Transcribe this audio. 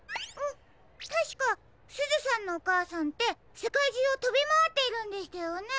たしかすずさんのおかあさんってせかいじゅうをとびまわっているんでしたよね？